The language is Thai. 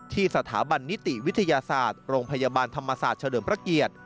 สถาบันนิติวิทยาศาสตร์โรงพยาบาลธรรมศาสตร์เฉลิมพระเกียรติ